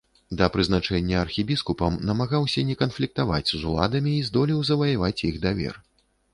Да прызначэння архібіскупам намагаўся не канфліктаваць з уладамі і здолеў заваяваць іх давер.